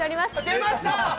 出ました！